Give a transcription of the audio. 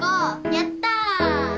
やった！